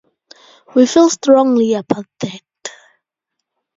We feel strongly about that.